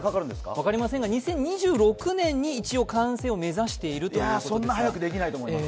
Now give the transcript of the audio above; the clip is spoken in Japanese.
分かりませんが、２０２６年に一応完成を目指しているということです。